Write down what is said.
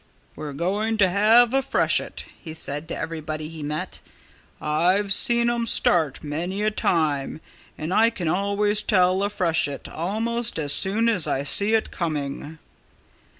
"We're a going to have a freshet," he said to everybody he met. "I've seen 'em start many a time and I can always tell a freshet almost as soon as I see it coming."